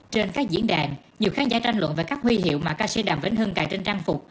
trên các diễn đàn nhiều khán giả tranh luận về các huy hiệu mà ca sĩ đàm vĩnh hưng cài trên trang phục